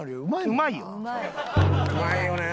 うまいよね。